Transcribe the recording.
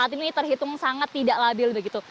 saat ini terhitung sangat tidak labil begitu